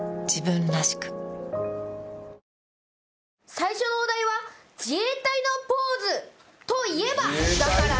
最初のお題は自衛隊のポーズといえば？